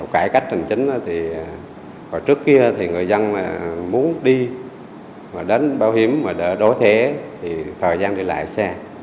cái cách trần chính đó thì còn trước kia thì người dân muốn đi mà đến báo hiếm mà đỡ đối thế thì thời gian đi lại xe